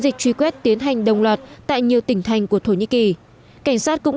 vấn đề di cư bất hợp pháp tiến hành đồng loạt tại nhiều tỉnh thành của thổ nhĩ kỳ cảnh sát cũng